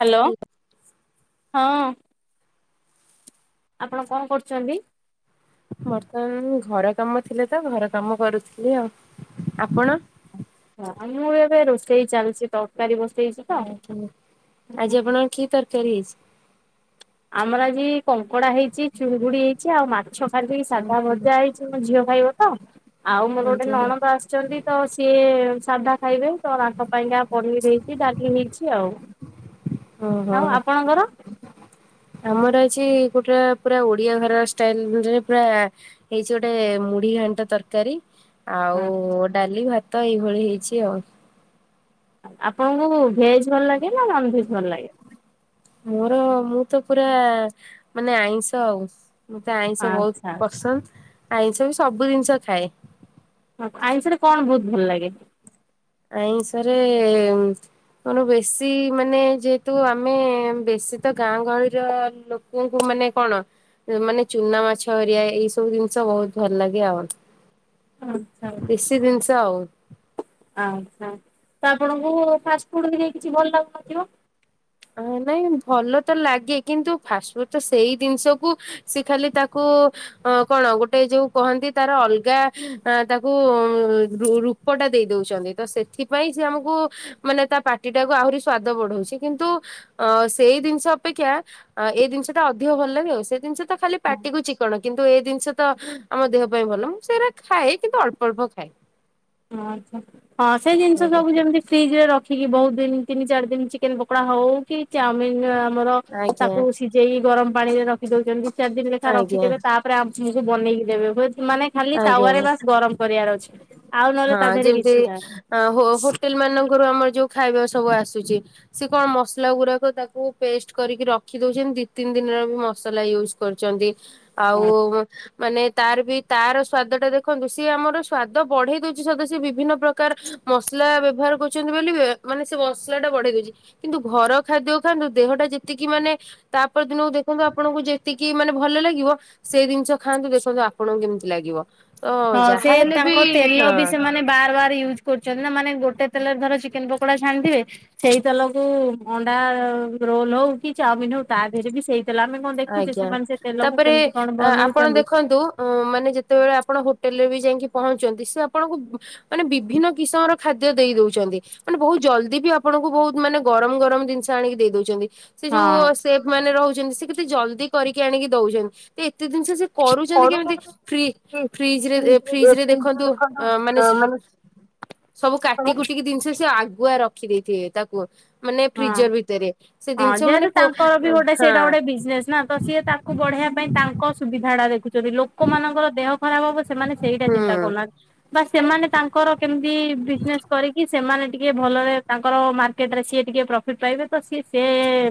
Hello ହଁ। ଆପଣ କଣ କରୁଛନ୍ତି? ବର୍ତ୍ତମାନ ମୁଁ ଘର କାମ ଥିଲେ ତ ଘର କାମ କରୁଥିଲି ଆଉ। ଆପଣ? ମୁଁ ଏବେ ରୋଷେଇ ଚାଲିଛି ତରକାରୀ ବସେଇଛି ତ। ଆଜ୍ଞା। ଆଜି ଆପଣଙ୍କର କି ତରକାରୀ ହେଇଛି? ଆମର ଆଜି କଙ୍କଡା ହେଇଛି, ଚୁଙ୍ଗୁଡି ହେଇଛି, ଆଉ ମାଛ ଖାଲି ସାଧା ଭଜା ଆଜ୍ଞା ହେଇଛି। ମୋ ଝିଅ ଖାଇବ ତ ଆଉ ମୋର ଗୋଟେ ଆଜ୍ଞା। ନଣନ୍ଦ ଆସିଛନ୍ତି। ତ ସିଏ ସାଧା ଖାଇବେ ତ ତାଙ୍କ ପାଇଁକା ପନିର ହେଇଛି ଡାଲି ହେଇଛି ଆଉ। ହଁ ଆଉ ହଁ ଆପଣଙ୍କର? ଆମର ଆଜି ଗୋଟେ ପୁରା ଓଡିଆ ଘର ଷ୍ଟାଇଲରେ ପୁରା ହେଇଛି ଗୋଟେ ମୁଢି ଘାଣ୍ଟ ତରକାରୀ। ଆଉ ଡାଲି ଭାତ ଏଇଭଳି ହେଇଚି ଆଉ। ଆପଣଙ୍କୁ ଭେଜ୍ ଭଲ ଲାଗେ ନାଁ ନନ ଭେଜ୍ ଭଲ ଲାଗେ? ମୋର ମୁଁ ତ ପୁରା ମାନେ ଆଇଁଷ ଆଉ। ମତେ ଆଇଁଷ ଆଚ୍ଛା ଭଉତ ପସନ୍ଦ ଆଇଁଷ ମୁଁ ସବୁ ଜିନିଷ ଖାଏ। ହଁ ଆଇଁଷରେ କଣ ଭୋଉତ ଭଲ ଲାଗେ? ଆଇଁଷରେ ଅଣୁ ବେଶୀ ମାନେ ଯେହେତୁ ଆମେ ବେଶୀ ତ ଗାଁ ଗହଳିର ଲୋ ତେଙ୍କୁ ମାନେ କଣ? ଏ ମାନେ ଚୁନା ମାଛ ହେରିଆ ଏଇ ସବୁ ଜିନିଷ ବହୁତ ଭଲ ଲାଗେ ଆଉ। ଉଁ ହଉ। ତି ବିଂଷ ଆଉ। ଆଚ୍ଛା ତ ଆପଣଙ୍କୁ ଫାଷ୍ଟ ଫୁଡ୍ ହେରିଆ କିଛି ଭଲ ଲାଗୁନଥିବ? ଅଁ ନାଇଁ ଭଲ ତ ଲାଗେ କିନ୍ତୁ ଫାଷ୍ଟ ଫୁଡ଼୍ ତ ସେଇ ଦିନଷକୁ ସେ ଖାଲି ତାକୁ ଅଁ କଣ ଗୋଟେ ଯୋଉ କହନ୍ତି ତାର ଅଲଗା ଅ ତାକୁ ରୁ ରୁ ପଟା ଦେଇ ଦଉଚନ୍ତି ତ ସେଥିପାଇଁ ସିଏ ଆମୁକୁ ମାନେ ତା ପାଟିଟାକୁ ଆହୁରି ସ୍ଵାଦ ବଢ଼ଉଛି କିନ୍ତୁ ଅ ସେଇ ଦିନଷ ଅପେକ୍ଷା ଅଁ ଏଇ ଦିନଷଟା ଅଧିକ ଭଲ ଲାଗେ ଆଉ ସେଇ ଦିନଷ ତ ଖାଲି ହଁ ପାଟିକୁ ଚି କଣ କିନ୍ତୁ ଏଇ ଦିନଷ ତ ଆମ ଦେହ ପାଇଁ ଭଲ ମୁଁ ସେରା ଖାଏ କିନ୍ତୁ ଅଳ୍ପ ଅଳ୍ପ ଖାଏ। ଓ ଆଚ୍ଛା ହଁ ସେ ଜିନିଷ ଆଜ୍ଞା ସବୁ ଯେମତି ଫ୍ରିଜରେ ରଖିକି ବହୁତ ଦିନ ତିନି ଚାରି ଦିନ ଚିକେନ ପକୋଡା ହଉ କି ଚାମିନ ଆମର ଆଜ୍ଞା ତାକୁ ସିଜେଇ ଗରମ ପାଣିରେ ରଖି ଦୋଉଚନ୍ତି ଦି ଚାରି ଦିନ ଲେଖା ଆଜ୍ଞା। ରଖିଦେବେ ତା- ପରେ ଆମୁକୁ ବନେଇକି ଦେବେ ହୁଏ ମାନେ ଖାଲି ଆଜ୍ଞା। ତାୱାରେ ବାସ୍ ଗରମ କରିବାର ଅଛି। ଆଉ ନହେଲେ ହଁ ତା ଦେହରେ ଯେମତି କିଛି ନାହିଁ। ଅଁ ହୋ ହୋଟେଲ ମାନଙ୍କରୁ ଆମର ଯୋଉ ଖାଇବା ସବୁ ଆସୁଚି। ସିଏ କଣ ମସଲା ଗୁରାକ ତାକୁ ପେଷ୍ଟ କରିକି ରଖି ଦୋଉଛନ୍ତି ଦି ତିନି ଦିନର ବି ମସଲା ଇଉ କରୁଚନ୍ତି ଆଉ ମାନେ ତାର ବି ତାର ସ୍ଵାଦଟା ଦେଖନ୍ତୁ ସିଏ ଆମର ସ୍ଵାଦ ବଢ଼େଇ ଦୋଉଚି ସତ ସିଏ ବିଭିନ୍ନ ପ୍ରକାର ମସଲା ବ୍ୟବହାର କରୁଚନ୍ତି ବୋଲି ବେ ମାନେ ସେ ମସଲାଟା ବଢ଼େଇ ଦୋଉଚି‌। କିନ୍ତୁ ଘର ଖାଦ୍ୟ ଖାଆନ୍ତୁ ଦେହଟା ଯେତିକି ମାନେ ତାପର ଦିନକୁ ଦେଖନ୍ତୁ ଆପଣଙ୍କୁ ଯେତିକି ମାନେ ଭଲ ଲାଗିବ ସେ ଜିନିଷ ଖାଆନ୍ତୁ ଦେଖନ୍ତୁ ଆପଣ କେ ଲାଗିବ ତ ହଁ ସେ ଯାହା ହେଲେ ବି ତାଙ୍କ ତେଲ ହଁ। ବି ସେମାନେ ବାର ବାର ୟୁଜ କରୁଚନ୍ତି ନା ମାନେ ଗୋଟେ ତେଲରେ ଧର ଚିକେନ ପକୋଡା ଛାଣିଥିବେ ସେଇ ତେଲକୁ ଅଣ୍ଡା ରୋଲ ହଉ କି ଚାମିନ ହଉ ତା ଧେହରେ ବି ସେଇ ତେଲ ଆମେ କଣ ଦେଖୁଛେ ଆଜ୍ଞା ସେମାନେ ସେ ତେଲକୁ ତାପରେ କେମିତି କଣ ଅ ଆପଣ ବନଉଛନ୍ତି ଦେଖନ୍ତୁ ଅଁ ମାନେ ଯେତେବେଳେ ଆପଣ ହୋଟେଲରେ ବି ଯାଇଁକି ପହଞ୍ଚନ୍ତି ସେ ଆପଣଙ୍କୁ ମାନେ ବିଭିନ୍ନ କିସମର ଖାଦ୍ୟ ଦେଇ ଦୋଉଚନ୍ତି ମାନେ ବୋହୁତ ଜଲଦି ବି ଆପଣଙ୍କୁ ବୋହୁତ ମାନେ ଗରମ ଗରମ ଦିନଷ ଆଣିକି ଦେଇ ଦଉଚନ୍ତି। ସେ ହଁ। ଯୋଉ ସେଫ୍ ମାନେ ରହୁଛନ୍ତି ସେ କେତେ ଜଲଦି କରିକି ଆଣିକି ଦଉଛନ୍ତି ଏ ଏତେ ଦିନଷ ସିଏ କରୁଚନ୍ତି କେମିତି କରୁଛନ୍ତି ଫ୍ରି ଫ୍ରିଜ୍ ଫିଜରେ ଏ ଫ୍ରିଜରେ ଫ୍ରିଜ୍ ରେ ଦେଖନ୍ତୁ ଅ ମାନେ ଦେଖନ୍ତୁ ସବୁ କାଟି କୁଟିକି ଦିନଷ ସିଏ ଆଗୁଆ ରଖି ଦେଇଥିବେ ତାକୁ। ମାନେ ହଁ। ଫ୍ରିଜର ଭିତରେ ସେ ଦିନଷ ମାନେ କୋ ହଁ। ବିଜିନେସ ନାଁ ତ ସିଏ ତାକୁ ବଢ଼େଇବା ପାଇଁ ତାଙ୍କ ସୁବିଧାଟା ଦେଖୁଚନ୍ତି ଲୋକମାନଙ୍କର ଦେହ ଖରାପ ହବ ସେମାନେ ସେଇଟା ହୁଁ ଚିନ୍ତା କରୁନାହା ବାସ୍ ସେମାନେ ତାଙ୍କର କେମତି ବିଜନେସ୍ କରିକି ସେମାନେ ଟିକେ ଭଲରେ ତାଙ୍କର ମାର୍କେଟରେ ସିଏ ଟିକେ ପ୍ରଫିଟ୍ ପାଇବେ ତ ସି ସେ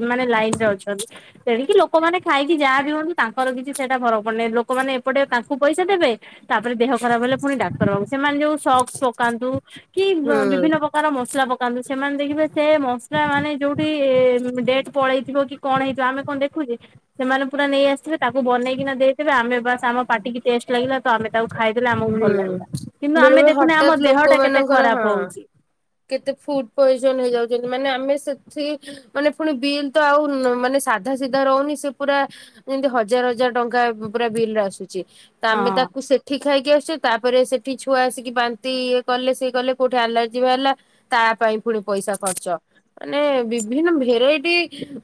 ମାନେ ଲାଇନ ରେ ଅଛନ୍ତି। ତେଣିକି ଲୋକମାନେ ଖାଇକି ଯାହା ବି ହୁଅନ୍ତୁ ତାଙ୍କର କିଛି ସେଇଟା ଫରକ ପଡ଼େନି ଲୋକମାନେ ଏପଟେ ତାଙ୍କୁ ପଇସା ଦେବେ। ତାପରେ ଦେହ ଖରାପ ହେଲେ ପୁଣି ଡାକ୍ତର ବାବୁ ସେମାନେ ଯୋଉ ସକ୍ସ ପକାନ୍ତୁ କି ହୁଁ ବିଭିନ୍ନ ତାର ମସଲା ପକାନ୍ତୁ ସେମାନେ ଦେଖିବେ ସେ ମାନେ ଯୋଉଠି ଡେଏଟେ ପଳେଇଥିବ କି କଣ ହେଇଥିବ ଆମେ କଣ ଦେଖୁଛେ। ସେମାନେ ପୁରା ନେଇ ଆସିିବେ ତାକୁ ବନେଇକିନା ଦେଇଥିବେ ଆମେ ବାସ ଆମ ପାଟିିକି ଟେଷ୍ଟ ଲାଗିଲା ତ ଆମେ ତାକୁ ଖାଇଦଲେ ଆମକୁ ହୁଁ ଭଲ ଲାଗିଲା କିନ୍ତୁ ବେଳେ ଆମେ ବେଳେ ଦେଖୁନେ ଆମ ହଠାତ୍ ଦେହଟା କେତେ ଲୋକମାନଙ୍କର ଖରାପ ହଁ। ହଉଛି। କେତେ ଫୁଡ ପଏଜନ ହେଇଯାଉଛନ୍ତି ମାନେ ଆମେ ସେଠି ମାନେ ପୁଣି ବିଲ୍ ତ ଆଉ ମାନେ ସାଧା ସିଧା ରହୁନି ସେ ପୁରା ଯେମିତି ହଜାର ହଜାର ଟଙ୍କା ପୁରା ବିଲରେ ଆସୁଛି ତ ଆମେ ହଁ ତାକୁ ସେ ଖାଇକି ଆସୁଛେ ତାପରେ ସେଠି ଛୁଆ ଆସିକି ବାନ୍ତି କଲେ ସେଏ କଲେ କୋଉଠି ଆଲାର୍ଜି ବାହାରିଲା। ତା ପାଇଁ ପୁଣି ପଇସା ଖର୍ଚ୍ଚ। ମାନେ ବିଭିନ୍ନ ଭେରାଇଟି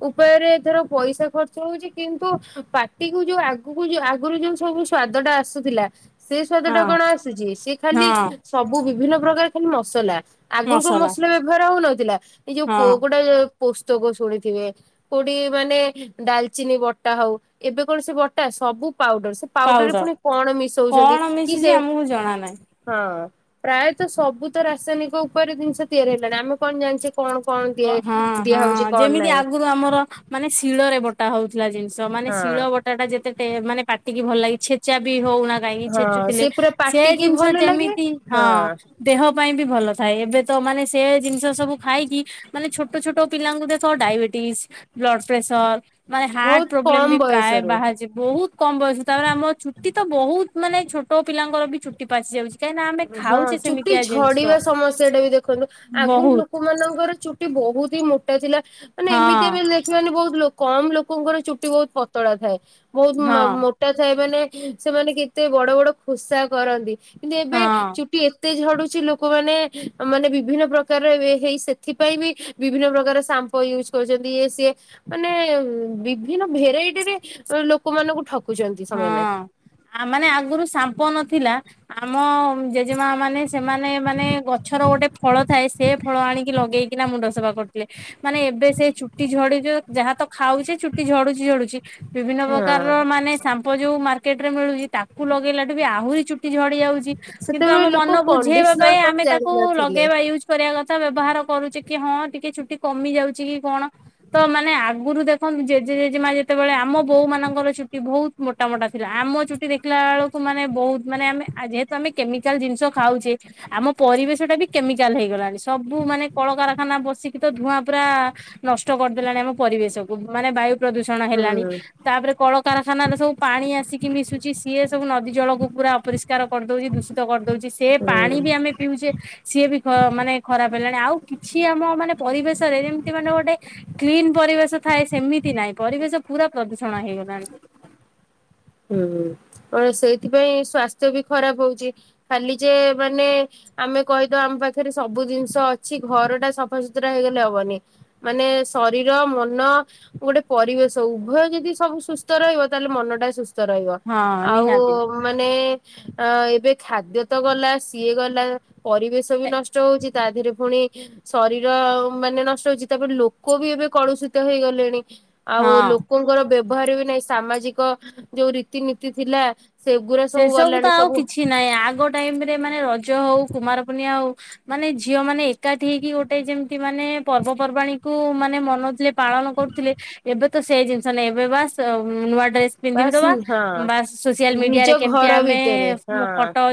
ଉପାୟରେ ଧର ପଇସା ଖର୍ଚ୍ଚ ହଉଛି କିନ୍ତୁ ପାଟିକି ଯୋଉ ଆଗକୁ ଯୋଉ ଆଗରୁ ଯୋଉ ସବୁ ସ୍ଵାଦ ଟା ଆସୁଥିଲା। ସେ ସ୍ଵାଦ ଟା ହଁ କଣ ଆସୁଛି ସେ ଖାଲି ହଁ ସବୁ ବିଭିନ୍ନ ପ୍ରକାର ଖାଲି ମସଲା। ଆଗରୁ କୋଉ ମସଲା ବ୍ୟବହାର ହଉନଥିଲା ଏଇ ଯୋଉ ହଁ ପ ଗୋଟେ ପୋସ୍ତକ ଶୁଣିଥିବେ? କୋଉଠି ମାନେ ଡାଲଚିନି ବଟା ହଉ ଏବେ କୌଣସି ବଟା ସବୁ ପାଉଡର ପାଉଡରରେ ପାଉଡର ପୁଣି କଣ ମିଶ କଣ ମିଶୁଛି ଆମକୁ ଜଣା ନାହିଁ। ହଁ ପ୍ରାୟତଃ ସବୁ ତ ରାସାୟନିକ ଉପରେ ଜିନିଷ ତିଆରି ହେଇଲାଣି ଆମେ କଣ ଜାଣିଛେ କଣ କଣ? ଦିଆ ହଁ ଦିଆ ହଁ ହଉଛି କଣ ଯେମିତି ନାହିଁ ଆଗରୁ ଆମର ମାନେ ଶିଳରେ ବଟା ହଉଥିଲା ଜିନିଷ ମାନେ ହଁ ଶିଳ ବାଟା ଟା ଯେତେ ଟେ ମାନେ ପାଟିକି ଭଲ ଲାଗେ ଛେଚା ବି ହଉନା ହଁ ଛେଚୁଥିଲେ ସେ ପୁରା ସେ ପାଟିକି ଜିନିଷ ଭଲ ଲାଗେ ଯେମିତି ହଁ। ଦେହ ପାଇଁ ବି ଭଲ ଥାଏ ଏବେ ତ ମାନେ ସେ ଜିନିଷ ସବୁ ଖାଇକି ମାନେ ଛୋଟ ଛୋଟ ପିଲାଙ୍କୁ ଦେଖ ଡାଇବେଟିସ ବ୍ଲଡ ପ୍ରେସର। ମାନେ ହାର୍ଟ ବହୁତ ପ୍ରୋବ୍ଲେମ ବି କମ ପ୍ରାୟ ବୟସରୁ ବାହାରିଛି ବହୁତ କମ ବୟସ ତାପରେ ଆମ ଛୁଟି ତ ବହୁତ ମାନେ ଛୋଟ ପିଲାଙ୍କର ବି ଛୁଟି ପଚି ଯାଉଛି। କାହିଁକି ନା ଆମେ ହଁ ଖାଉଛେ ଚୁଟି ସେମିତିଆ ଜିନିଷ ଝଡିବା ସମସ୍ୟା ଟା ବି ଦେଖନ୍ତୁ ଆଗରୁ ବହୁତ ଲୋକମାନଙ୍କର ଚୁ ବହୁତ ହି ମୋଟା ଥିଲା ମାନେ ଏମିତି ହଁ ମାନେ ବହୁତ ଲୋ କମ ଲୋକଙ୍କର ଚୁଟି ବହୁତ ପତଳା ଥାଏ ବହୁତ ହଁ ମୋ ଟ ଥାଏ ମାନେ ସେମାନେ କେତେ ବଡ ବଡ ଖୋସା କରନ୍ତି କିନ୍ତୁ ଏବେ ହଁ। ଏତେ ଝଡୁଛି ଲୋକମାନେ ମାନେ ବିଭିନ୍ନ ପ୍ରକାରର ହେଇ ସେଥିପାଇଁ ବି ବିଭିନ୍ନ ପ୍ରକାର ସାମ୍ପୁ ୟୁଜ୍ କରୁଛନ୍ତି ଇ ସିଏ ମାନେ ବିଭିନ୍ନ ଭେରାଇଟି ରେ ଲୋକମାନାନଙ୍କୁ ଠକୁଛନ୍ତି ସେମାନେ। ହଁ ଆ ମାନେ ଆଗରୁ ସାମ୍ପ ନଥିଲା। ଆମ ଜେଜେମା ମାନେ ସେମାନେ ମାନେ ଗଛର ଗୋଟେ ଫଳ ଥାଏ ସେ ଫଳ ଆଣିକି ଲଗେଇକିନା ମୁଣ୍ଡ ସଫା କରୁଥିଲେ। ମାନେ ଏବେ ସେ ଚୁଟି ଝଡି ଯାହା ତ ଖାଉଛି ଚୁଟି ଝଡୁଛି ଝଡୁଛି ବିଭିନ୍ନ ହଁ। ପ୍ରକାରର ମାନେ ସାମ୍ପ ଯୋଉ ମାର୍କେଟ ରେ ମିଳୁଛି ତାକୁ ଲଗେଇଲାଠୁ ବି ଆହୁରି ଚୁ ଝଡି ଯାଉଛି କିନ୍ତୁ ସେତେବେଳେ ଆମ ଲୋକ ମନ ବୁଝେଇବା କଣ୍ଡିସନର ପାଇଁ କଣ ଆମେ ତାକୁ ଜାଣିନଥିଲେ। ଲଗେଇବା ୟୁଯୁ କରିବା କଥା ବ୍ୟବହାର କରୁଛି କି ହଁ ଟିକେ ଛୁଟି କମି ଯାଉଛି କି କଣ। ତ ମାନେ ଆଗରୁ ଦେଖନ୍ତୁ ଜେଜେ ଜେଜେମା ଯେତେବେଳେ ଆମ ବୋଉ ମାନଙ୍କର ଛୁଟି ବହୁତ ମୋଟା ମୋଟା ଥିଲା ଆମ ଚୁଟି ଦେଖିଲା ବେଳକୁ ମାନେ ବହୁତ ମାନେ ଆମେ ଯେହେତୁ ଆମେ କେମିକାଲ ଜିନିଷ ଖାଉଛେ। ଆମ ପରିବେଶ ଟା ବି କେମିକାଲ ହେଇଗଲାଣି। ସବୁ ମାନେ କଳକାରଖାନା ବସିକି ତ ଧୂଆଁ ପୁରା। ନଷ୍ଟ କରିଦେଲାଣି ଆମ ପରିବେଶକୁୁ, ମାନେ ବାୟୁ ପ୍ରଦୂଷଣ ହେଲାଣି ହୁଁ ତାପରେ କଳକାରଖାନାରେ ସବୁ। ପାଣି ଆସିକି ମିଶୁଚି। ସିଏ ସବୁ ନଦୀ ଜଳକୁ ପୁରା ଅପରିଷ୍କାର କରିଦଉଚି ଦୁସିତ। କରିଦଉଚି, ସେ ପାଣି ହୁଁ। ବି ଆମେ ପିଉଚେ। ସିଏ ବି ମାନେ ଖରାପ ହେଲାଣି। ଆଉ କିଛି ଆମ ମାନେ ପରିବେଶରେ ଯେମିତି ମାନେ ଗୋଟେ। କ୍ଲିନ ପରିବେଶ ଥାଏ ସେମିତି ନାହିଁ, ପରିବେଶ ପୁରା ପ୍ରଦୂଷଣ ହେଇଗଲାଣି। ହୁଁ, ହୁଁ ସେଇଥିପାଇଁ ସ୍ୱାସ୍ଥ୍ୟ ବି ଖରାପ ହଉଚି, ଖାଲି ଯେ ମାନେ। ଆମେ କହିଦବା ଆମ ପାଖରେ ସବୁ ଜିନିଷ ଅଛି ଘର ଟା ସଫାସୁତୁରା ହେଇଗଲେ ହବନି। ମାନେ ଶରୀର, ମନ। ଗୋଟେ ପରିବେଶ ଉଭୟ ଯଦି ସବୁ ସୁସ୍ଥ ରହିବ ତାହେଲେ ମନଟା ସୁସ୍ଥ। ରହିବ ହଁ ନିହାତି ଆଉ। ମାନେ ଅ ଏବେ ଖାଦ୍ୟ ତ ଗଲା ସିଏ ଗଲା ପରିବେଶ ବି ନଷ୍ଟ ହଉଚି। ତା ଦେହରେ ପୁଣି। ଶରୀର ମାନେ ନଷ୍ଟ ହଉଚି, ତାପରେ ଲୋକ ବି ଏବେ କଳୁଷିତ ହେଇଗଲେଣି। ଆଉ ହଁ। ଲୋକଙ୍କର ବ୍ୟବହାର ବି ନାଇଁ ସାମାଜିକ ଯୋଉ ରୀତିନୀତି ଥିଲା। ସେ ସବୁ ତ ଆଉ କିଛି ନାହିଁ, ଆଗ ଟାଇମରେ ମାନେ ରଜ ହଉ, କୁମାର ପୂର୍ଣ୍ଣିମା ହଉ। ମାନେ ଝିଅ ମାନେ ଏକାଠି ହେଇକି ଗୋଟେ ଯେମିତି ମାନେ ପର୍ବପର୍ବାଣୀ କୁ ମାନେ ମନଉଥିଲେ। ପାଳନ କରୁଥିଲେ ଏବେ ତ ସେଇ ଜିନିଷ ନାଇଁ ଏବେ ବାସ୍ ନୂଆ ଡ୍ରେସ୍। ବାସ୍ ପିନ୍ଧିଦବା ହଁ। ବାସ୍ ସୋସିଆଲ ନିଜ ମିଡିଆରେ କେମିତି ଘର ଆମେ ଭିତରେ ହଁ ଫଟୋ।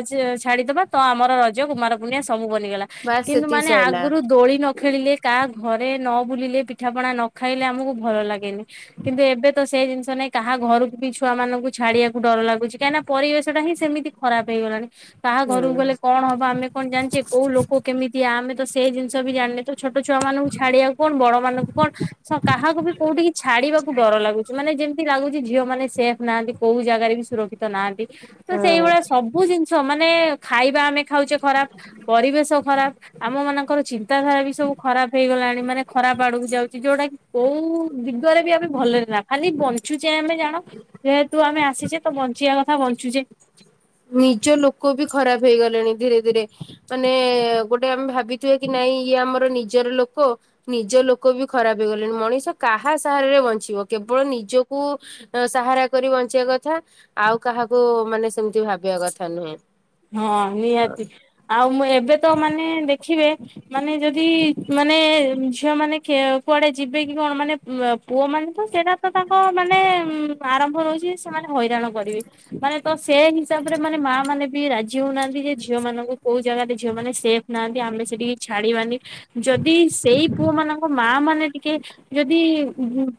ଛାଡିଦବା ତ ଆମର ରଜ, କୁମାର ପୂର୍ଣ୍ଣିମା ସବୁ ବନିଗଲା। ବାସ୍ କିନ୍ତୁ ସେତିକି ମାନେ ସଇଲା ଆଗୁରୁ ଦୋଳି ନ। ଖେଳିଲେ, କାହା ଘରେ ନ ବୁଲିଲେ, ପିଠାପଣା ନ ଖାଇଲେ ଆମକୁ ଭଲ ଲାଗେନି। କିନ୍ତୁ, ଏବେ ତ ସେ ଜିନିଷ ନାଇଁ କାହା ଘରକୁ ବି ଛୁଆ ମାନଙ୍କୁ ଛାଡିଆକୁ ଡର ଲାଗୁଚି, କାହିଁକ ନା। ପରିବେଶ ଟା ହିଁ ସେମିତି ଖରାପ ହେଇଗଲାଣି କାହା ହୁଁ। ଘରକୁ ଗଲେ କଣ ହବ ଆମେ। କଣ ଜାଣିଚେ କୋଉ ଲୋକ କେମିତିଆ ଆମେ ତ ସେଇ ଜିନିଷ ବି ଜାଣିନେ ତ ଛୋଟ ଛୁଆ ମାନଙ୍କୁ ଛାଡିଆକୁ କଣ ବଡମାନଙ୍କୁ କଣ। କାହାକୁ ବି କୋଉଠିକି ଛାଡିବାକୁ ଡର ଲାଗୁଚି, ମାନେ ଯେମିତି ଲାଗୁଚି ଝିଅ ମାନେ ସେଫ୍ ନାହାନ୍ତି। କୋଉ ଜାଗାରେ ବି ସୁରକ୍ଷିତ ନାହାନ୍ତି ତ ହଁ ସେଇଭଳିଆ ସବୁ। ସବୁ ଜିନିଷ ମାନେ ଖାଇବା ଆମେ ଖାଉଚେ ଖରାପ, ପରିବେଶ ଖରାପ। ଆମ ମାନଙ୍କର ଚିନ୍ତାଧାରା ବି ସବୁ ଖରାପ ହେଇଗଲାଣି ମାନେ ଖରାପ ଆଡକୁ ଯାଉଚି ଯୋଉଟା କି। କୋଉ ଦିଗରେ ବି ଆମେ ଭଲରେ ନା ଖାଲି। ବଞ୍ଚୁଚେ ଆମେ ଜାଣ, ଯେହେତୁ ଆମେ ଆସିଚେ ତ ବଞ୍ଚିବା କଥା ବଞ୍ଚୁଚେ। ନିଜ ଲୋକ ବି ଖରାପ ହେଇଗଲେଣି ଧୀରେ ଧୀରେ। ମାନେ ଗୋଟେ ଆମେ ଭାବ। ଭାବିଥିବା କି ନାଇଁ ଇଏ ଆମର ନିଜର ଲୋକ। ନିଜ ଲୋକ ବି ଖରାପ ହେଇଗଲେଣି। ମଣିଷ କାହା ସାହାରରେ ବଞ୍ଚିବ କେବଳ ନିଜକୁ। ସାହାରା କରି ବଞ୍ଚିଆ କଥା, ଆଉ କାହାକୁ ମାନେ ସେମିତି ଭାବିଆ କଥା ନୁହେଁ। ହଁ, ନିହାତି ଆଉ ମୁଁ ଏବେ ତ ମାନେ ଦେଖିବେ। ମାନେ ଯଦି ମାନେ ଝିଅ ମାନେ। କୁଆଡେ ଯିବେ କି କଣ ମାନେ ପୁଅ ମାନେ ତ ସେଇଟା। ତ ତାଙ୍କ ମାନେ ଉ ଆରମ୍ଭ ରଉଚି ସେମାନେ ହଇରାଣ କରିବେ ମାନେ। ତ ସେ ହିସାବ ରେ ମାନେ ମା ମାନେ ବି ରାଜି ହଉନାହାନ୍ତି ଯେ ଝିଅ ମାନଙ୍କୁ କୋଉ। ଜାଗାରେ ଝିଅମାନେ ସେଫ୍ ନାହାନ୍ତି, ଆମେ ସେଠିକି ଛାଡ଼ିବାନି। ଯଦି ସେଇ ପୁଅ ମାନଙ୍କ ମା ମାନେ ଟିକେ। ଯଦି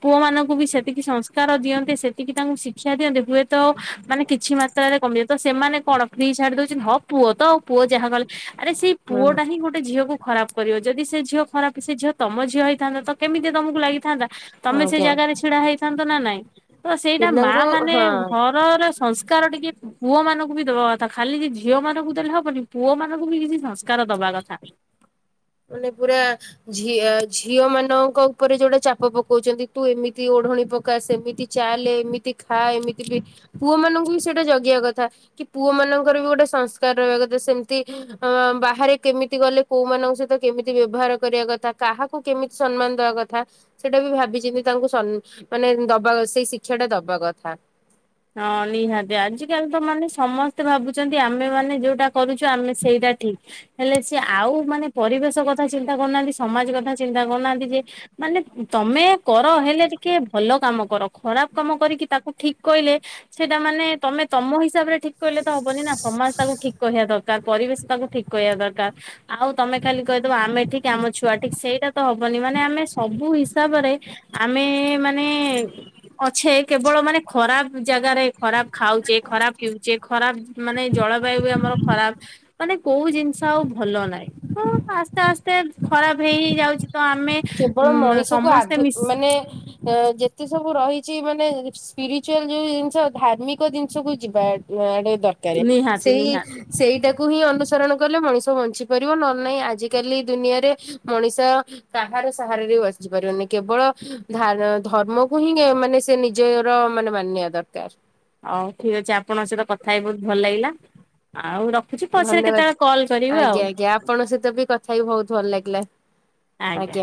ପୁଅ ମାନଙ୍କୁ ବି ସେତିକି ସଂସ୍କାର ଦିଅନ୍ତେ, ସେତିକି ତାଙ୍କୁ ଶିକ୍ଷା ଦିଅନ୍ତେ ହୁଏତ। ମାନେ କିଛି ମାତ୍ରାରେ କମିିବ, ତ ସେମାନେ କଣ? ଫ୍ରି ଛାଡି ଦଉଚନ୍ତି, ହଁ ପୁଅ ତ ଆଉ ପୁଅ ଯାହା କଲେ ଆରେ ସେଇ ହୁଁ ପୁଅ ଟା ହିଁ ଗୋଟେ ଝିଅକୁ। ଖରାପ କରିବ, ଯଦି ସେ ଝିଅ ଖରାପ ସେ ଝିଅ ତମଝିଅ ହେଇଥାନ୍ତା କେମିତି ତମକୁ ଲାଗିଥାନ୍ତା? ତମେ ସେ ଆଜ୍ଞା। ଜାଗାରେ ଛିଡା ହେଇଥାନ୍ତ ନା ନାଇଁ? ତ ସେଇଟା ମା ପିଲାଙ୍କୁ ମାନେ ହଁ ଘ ଘରର ସଂସ୍କାର ଟିକେ ପୁଅ ମାନଙ୍କୁ ବି ଦବା କଥା। ତ ଖାଲି ଝିଅ ମାନଙ୍କୁ ଦେଲେ ହବନି। ପୁଅ ମାନଙ୍କୁ ବି କିଛି ସଂସ୍କାର ଦବା କଥା। ମାନେ ପୁରା ଝିଅ, ଝିଅ ମାନଙ୍କ ଉପରେ ଯୋଉଟା ଚାପ ପକଉଛନ୍ତି ତୁ ଏମିତି ଓଢଣୀ ପକା ସେମିତି ଚାଲେ, ଏମିତି ଖା, ଏମିତି ବି ପୁଅ ମାନଙ୍କୁ ବି ସେଇଟା ଜଗିବା କଥା। କି ପୁଅ ମାନଙ୍କର ବି ଗୋଟେ ସଂସ୍କାର ରହିବା କଥା। ସେମିତି ଅ ବାହାରେ କେମିତି ଗଲେ କୋଉମାନଙ୍କ ସହିତ କେମିତି ବ୍ୟବହାର କରିବା କଥା। କାହାକୁ କେମିତି ସମ୍ମାନ ଦବା କଥା। ସେଇଟା ବି ଭାବିଚିନ୍ତି ତାଙ୍କୁ ସ ମାନେ ଦବା ସେଇ ଶିକ୍ଷାଟା ତାଙ୍କୁ ଦବା କଥା। ହଁ ନିହାତି। ଆଜିକାଲି ତ ମାନେ ସମସ୍ତେ ଭାବୁଛନ୍ତି ଆମେ ମାନେ ଯୋଉଟା କରୁଛୁ ଆମେ ସେଇଟା ଠିକ। ହେଲେ ସେ ଆଉ ମାନେ ପରିବେଶ କଥା ଚିନ୍ତା କରୁନାହାନ୍ତି ସମାଜ କଥା ଚିନ୍ତା କରୁନାହାନ୍ତି ଯେ ମାନେ ତମେ କର ହେଲେ ଟିକେ ଭଲ କାମ କର। ଖରାପ କାମ କରିକି ତାକୁ ଠିକ କହିଲେ ସେଇଟା ମାନେ ତମେ ତମ ହିସାବରେ ଠିକ କହିଲେ ତ ହବନି ନା। ସମାଜ ତାକୁ ଠିକ କହିବା ଦରକାର ପରିବେଶ ତାକୁ ଠିକ କହିବା ଦରକାର। ଆଉ ତମେ ଖାଲି କହିଦବ ଆମେ ଠିକ ଆମ ଛୁଆ ଠିକ। ସେଇଟା ତ ହବନି ମାନେ ଆମେ ସବୁ ହିସାବରେ ଆମେ ମାନେ ଅଛେ କେବଳ ମାନେ ଖରାପ ଜାଗାରେ, ଖରାପ ଖାଉଛେ, ଖରାପ ପିଉଛେ, ଖରାପ ମାନେ ଜଳବାୟୁ ବି ଆମର ଖରାପ। ମାନେ କୋଉ ଜିନିଷ ଆଉ ଭଲ ନାହିଁ। ହଁ ଆସ୍ତେ ଆସ୍ତେ ଖରାପ ହେଇ ହେଇ ଯାଉଛି ତ ଆମେ କେବଳ ଉଁ ମଣିଷକୁ ସମସ୍ତେ ଆଧ ମିଶି ମାନେ ଯେତେ ସବୁ ରହିଛି ମାନେ ସ୍ପିରିଚୁଆଲ ଯୋଉ ଜିନିଷ ଧାର୍ମିକ ଜିନିଷକୁୁ ଯିବା ଆଡେ ଦର୍ କାରେ। ନିହାତି ସେଇ ନିହାତି ସେଇଟାକୁ କୁ ହିଁ ଅନୁସରଣ କଲେ ମଣିଷ ବଞ୍ଚି ପାରିବ ନହେଲେ ନାହିଁ ଆଜିିକାଲି ଦୁନିଆରେ ମଣିଷ କାହାର ସାହାରାରେ ବି ବଞ୍ଚି ପାରିବନି। କେବଳ ଧା ଧର୍ମକୁ ହିଁ ମାନେ ସେ ନି ଜର ମାନେ ମାନିବା ଦରକାର। ହଉ ଠିକ ଅଛି ଆପଣଙ୍କ ସହିତ କଥା ହେଇ ବହୁତ ଭଲ ଲାଗିଲା। ଆଉ ର ଧନ୍ୟବାଦ। ଆଜ୍ଞା, ଆଜ୍ଞା। ଆପଣଙ୍କ ସହିତ ବି କଥା ହେଇକି ବହୁତ ଭଲ ଲାଗିଲା। ଆଜ୍ଞା